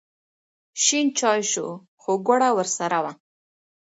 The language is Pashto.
شین چای شو خو ګوړه ورسره وه.